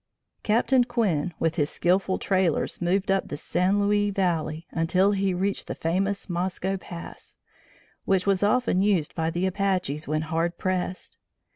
Captain Quinn with his skilful trailers moved up the San Luis Valley until he reached the famous Mosco Pass, which was often used by the Apaches when hard pressed.